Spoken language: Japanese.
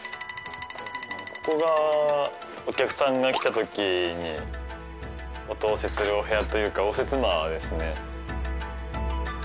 ここがお客さんが来たときにお通しするお部屋というか応接間ですね。